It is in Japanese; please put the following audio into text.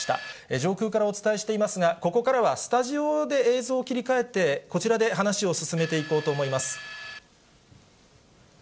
上空からお伝えしていますが、ここからはスタジオで映像を切り替えて、こちらで話しを進めていこうと思います。